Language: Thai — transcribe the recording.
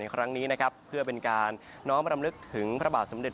ครั้งนี้นะครับเพื่อเป็นการน้อมรำลึกถึงพระบาทสมเด็จ